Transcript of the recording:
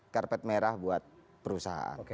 karpet merah buat perusahaan